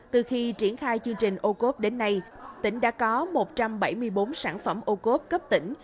từ khi triển khai chương trình ocope đến nay tỉnh đã có một trăm bảy mươi bốn sản phẩm ocope cấp tỉnh